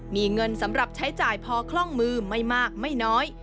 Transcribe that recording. มีเงินสำหรับใช้จ่ายพอคล่องมือไม่มากไม่น้อย